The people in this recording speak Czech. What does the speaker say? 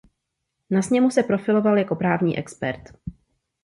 Na sněmu se profiloval jako právní expert.